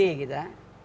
punya ide kita